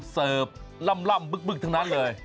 เสิร์ฟล่ำบึกทั้งนั้นเลย